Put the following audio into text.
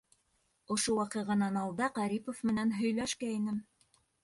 Ошо ваҡиғанан алда Ҡәрипов менән һөйләшкәйнем.